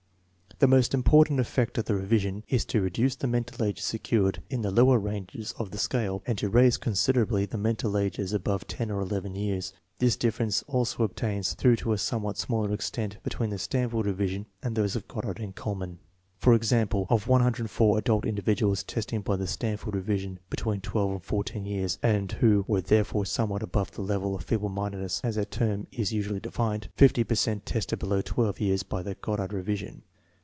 The most important effect of the revision is to reduce the mental ages secured in the lower ranges of the scale, and to raise considerably the mental ages above 10 or 11 years, This difference also obtains, though to a somewhat smaller ex tent, between the Stanford revision and those of Goddard and Kuhlmann. For example, of 104 adult individuals testing by the Stan ford revision between 1 and 14 years, and who were there fore somewhat above the level of feeble mindedness as that term is usually defined, 50 per cent tested below 1 years by the Goddard revision.